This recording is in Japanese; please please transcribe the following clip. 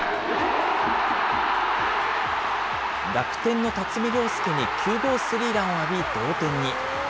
楽天の辰己涼介に９号スリーランを浴び同点に。